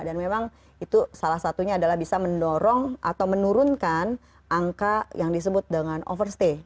dan memang itu salah satunya adalah bisa mendorong atau menurunkan angka yang disebut dengan overstay